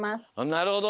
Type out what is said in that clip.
なるほど。